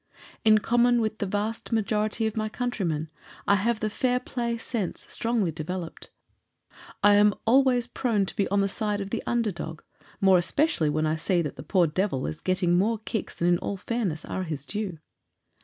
In common with the vast majority of my countrymen I have the "fair play" sense strongly developed. I am always prone to be on the side of the under dog more especially when I see that the poor devil is getting more kicks than in all fairness are his due.